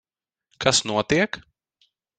Kas notiek?